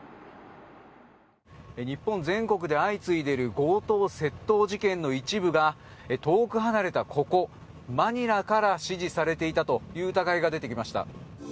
日本全国で相次いでいる強盗・窃盗事件の一部が遠く離れたここ、マニラから指示されていたという疑いが出てきました。